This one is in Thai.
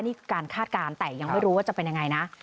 นี่การคาดการณ์แต่ยังไม่รู้ว่าจะเป็นยังไงนะ